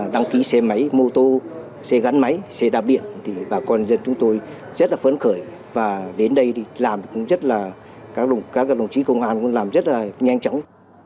đăng ký xe máy mô tô xe gắn máy xe đạp điện thì bà con dân chúng tôi rất là phấn khởi và đến đây thì các đồng chí công an cũng làm rất là nhanh chóng